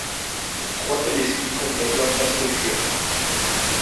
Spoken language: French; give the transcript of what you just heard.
Trois téléskis complètent l'infrastructure.